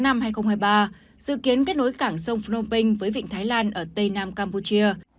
dự kiến kết nối cảng sông phnom penh với vịnh thái lan ở tây nam campuchia